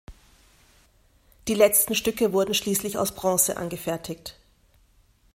Die letzten Stücke wurden schließlich aus Bronze angefertigt.